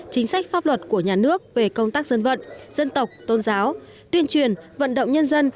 chính sách pháp luật của nhà nước về công tác dân vận dân tộc tôn giáo tuyên truyền vận động nhân dân